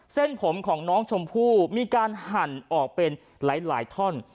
เส้นผมของน้องชมพู่มีการหั่นออกเป็นหลายท่อน